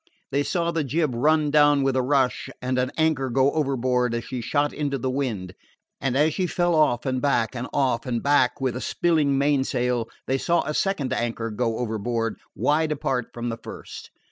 They saw the jib run down with a rush and an anchor go overboard as she shot into the wind; and as she fell off and back and off and back with a spilling mainsail, they saw a second anchor go overboard, wide apart from the first.